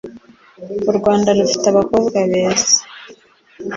urwanda rufite abakobwa beza